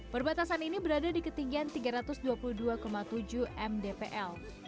perbatasan ini berada di ketinggian tiga ratus dua puluh dua tujuh mdpl